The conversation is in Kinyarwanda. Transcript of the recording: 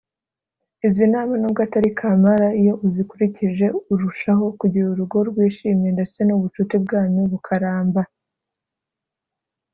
Izina nama nubwo atari kamara iyo uzikurikije urushaho kugira urugo rwishimye ndetse n’ubucuti bwanyu bukaramba